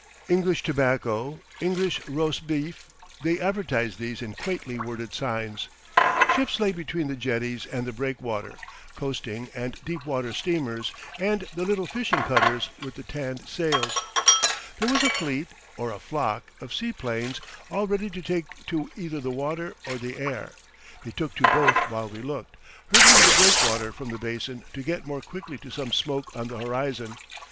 English tobacco, English rosbif they advertised these in quaintly worded signs. Ships lay between the jetties and the breakwater, coasting and deep water steamers, and the little fishing cutters with the tanned sails. There was a fleet (or a flock) of seaplanes all ready to take to either the water or the air. They took to both while we looked, hurdling the breakwater from the basin to get more quickly to some smoke on the horizon.